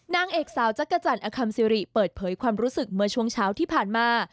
นางเอกสาวจักรจันทร์อคัมซิริเปิดเผยความรู้สึกเมื่อช่วงเช้าที่ผ่านมา